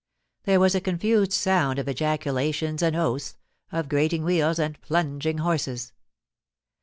There was a confused sound of ejaculations and oaths, of grating wheels and plunging horses.